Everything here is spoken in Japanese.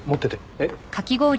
えっ？